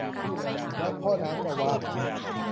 แล้วพ่อน้ำจะว่าไหม